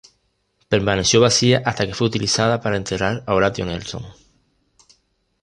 Permaneció vacía hasta que fue utilizada para enterrar a Horatio Nelson.